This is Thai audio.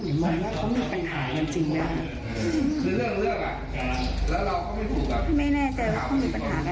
นี่คือทางด้านของอีกคนนึงบ้างค่ะคุณผู้ชมค่ะ